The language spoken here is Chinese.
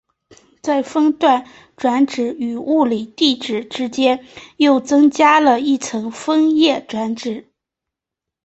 在分段转址与物理地址之间又增加了一层分页转址。